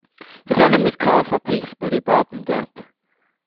His enemies called for peace, but he brought them death.